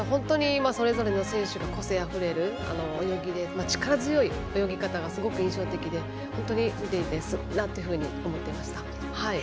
それぞれの選手が個性あふれる泳ぎで力強い泳ぎ方がすごく印象的で本当に見ていてすごいなと思っていました。